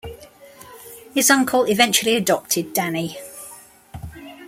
His uncle eventually adopted Danny.